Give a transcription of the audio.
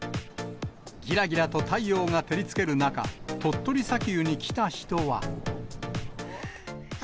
ぎらぎらと太陽が照りつける中、鳥取砂丘に来た人は。